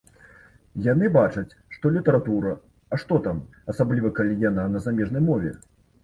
Яны бачаць, што літаратура, а што там, асабліва калі яна на замежнай мове?